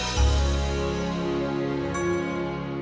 kau akan menantangku